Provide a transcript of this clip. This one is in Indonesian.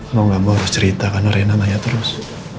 mau gak mau harus cerita karena rena nanya terus